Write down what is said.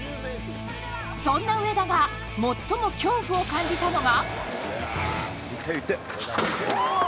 そんな上田が最も恐怖を感じたのが。